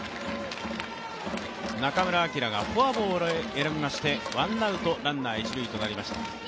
中村晃がフォアボールを選びましてランナー、一塁となりました。